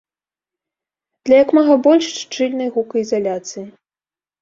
Для як мага больш шчыльнай гукаізаляцыі.